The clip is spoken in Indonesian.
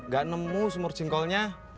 gak nemu semur jengkolnya